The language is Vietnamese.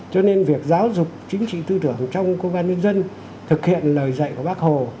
cho nên việc giáo dục chính trị tư tưởng trong công an nhân dân thực hiện lời dạy của bác hồ